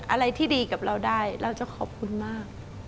อะไรที่ดีกับเราได้เราจะขอบคุณมาก